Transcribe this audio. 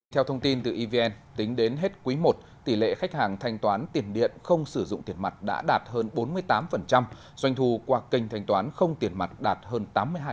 theo thông tin từ evn tính đến hết quý i tỷ lệ khách hàng thanh toán tiền điện không sử dụng tiền mặt đã đạt hơn bốn mươi tám doanh thu qua kênh thanh toán không tiền mặt đạt hơn tám mươi hai